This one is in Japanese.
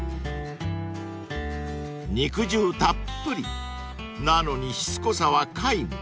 ［肉汁たっぷりなのにしつこさは皆無］